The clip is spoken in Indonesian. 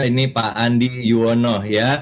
ini pak andi yuwono ya